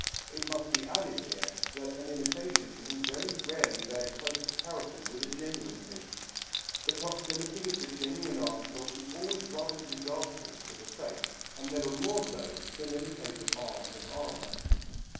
It must be added here, that an imitation can very rarely bear close comparison with a genuine piece. The proximity of the genuine article is always rather disastrous to the fake, and never more so than in the case of arms and armour.